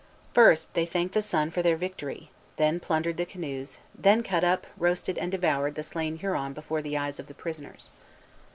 First they thanked the Sun for their victory; then plundered the canoes; then cut up, roasted, and devoured the slain Huron before the eyes of the prisoners.